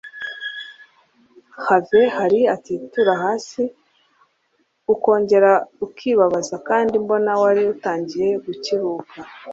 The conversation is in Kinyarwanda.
have Henry utitura hasi ukongera ukibabaza kandi mbona wari utangiye gukiruka